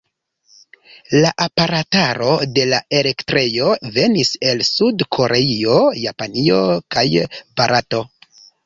La aparataro de la elektrejo venis el Sud-Koreio, Japanio kaj Barato.